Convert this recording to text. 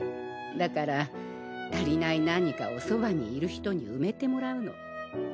だから足りない何かをそばにいる人に埋めてもらうの。